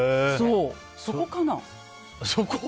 そこかな？